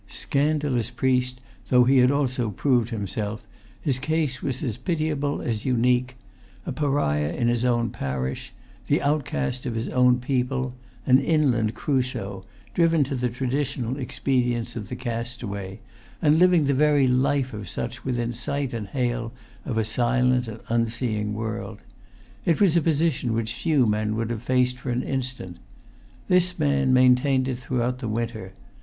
Scandalous priest though he had also proved himself, his case was as pitiable as unique; a pariah in his own parish; the outcast of his own people; an inland Crusoe, driven to the traditional expedients of the castaway, and living the very life of such within sight and hail of a silent and unseeing world. It was a position which few men would have faced for an instant. This man maintained it throughout the winter.